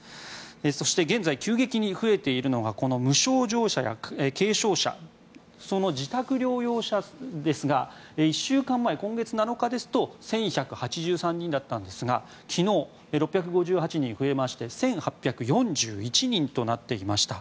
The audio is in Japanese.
そして、現在急激に増えているのがこの無症状や軽症者その自宅療養者ですが１週間前の今月７日ですと１１８３人だったんですが昨日、６５８人増えまして１８４１人となっていました。